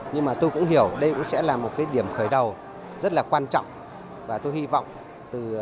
nhưng mà tôi cũng hiểu đây cũng sẽ là một cái điểm khởi đầu rất là quan trọng và tôi hy vọng từ